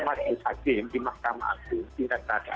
hukumannya mencukupi kelaksanaan haya haya